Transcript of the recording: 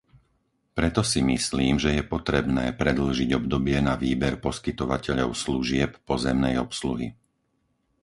Preto si myslím, že je potrebné predĺžiť obdobie na výber poskytovateľov služieb pozemnej obsluhy.